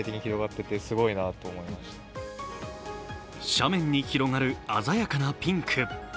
斜面に広がる鮮やかなピンク。